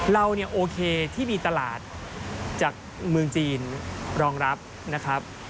เราเนี่ยโอเคที่มีตลาดจากเมืองจีนรองรับนะครับ